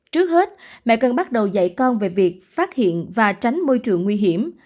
trước hết mẹ cần bắt đầu dạy con về việc phát hiện và tránh môi trường nguy hiểm